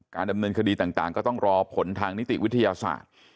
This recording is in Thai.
ดำเนินคดีต่างก็ต้องรอผลทางนิติวิทยาศาสตร์